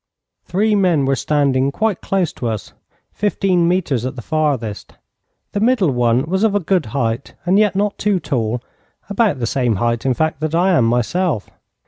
Three men were standing quite close to us fifteen mètres at the farthest. The middle one was of a good height, and yet not too tall about the same height, in fact, that I am myself.